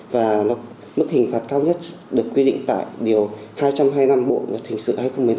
và mức hình phạt cao nhất được quy định tại điều hai trăm hai mươi năm bộ luật hình sự hai nghìn một mươi năm